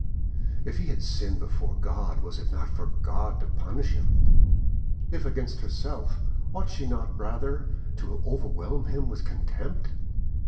If he had sinned before God, was it not for God to punish him? If against herself, ought she not rather to overwhelm him with contempt?